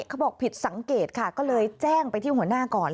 เขาบอกผิดสังเกตค่ะก็เลยแจ้งไปที่หัวหน้าก่อน